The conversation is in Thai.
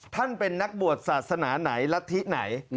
ท่านเป็นนักบวชศาสนาไหนรัฐธิไหน